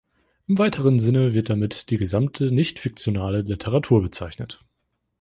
Im weiteren Sinne wird damit die gesamte nicht-fiktionale Literatur bezeichnet.